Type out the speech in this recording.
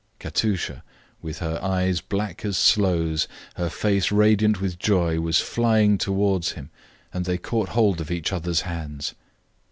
Katusha, with her eyes black as sloes, her face radiant with joy, was flying towards him, and they caught hold of each other's hands.